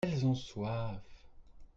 elles ont soif.